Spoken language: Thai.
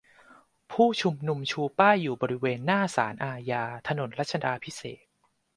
ผู้ชุมนุมชูป้ายอยู่บริเวณหน้าศาลอาญา ถนนรัชาดาภิเษก